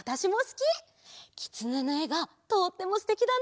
きつねのえがとってもすてきだね。